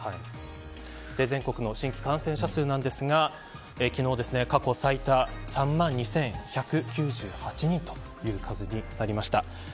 全国の新規感染者数ですが昨日、過去最多３万２１９８人という数になりました。